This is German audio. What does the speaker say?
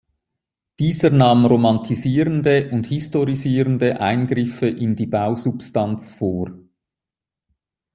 Dieser nahm romantisierende und historisierende Eingriffe in die Bausubstanz vor.